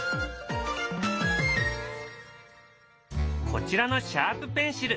こちらのシャープペンシル。